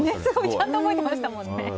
ちゃんと覚えてましたもんね。